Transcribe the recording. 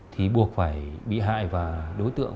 thì buộc phải bị hại và đối tượng